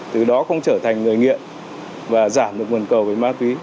từ đó không trở thành người nghiện và giảm được nguồn cầu về ma túy